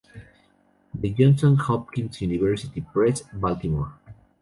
The Johns Hopkins University Press, Baltimore.